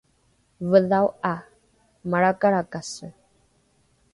vedhao ’a malrakalrakase